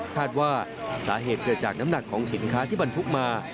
คาดว่าสาเหตุเกิดจากน้ำหนักของสินค้าที่บรรทุกมา